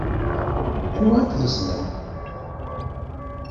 Anwa i k-yessnen?